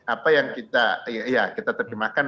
apa yang kita terjemahkan